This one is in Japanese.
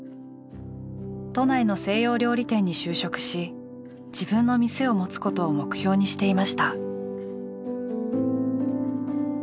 都内の西洋料理店に就職し自分の店を持つことを目標にしていました。